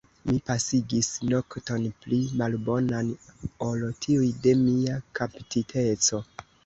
Mi pasigis nokton pli malbonan ol tiuj de mia kaptiteco.